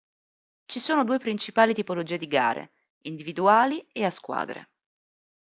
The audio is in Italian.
Ci sono due principali tipologie di gare: individuali e a squadre.